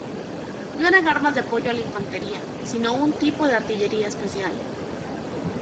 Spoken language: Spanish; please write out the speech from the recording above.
No eran armas de apoyo a la infantería, sino un tipo de artillería especial.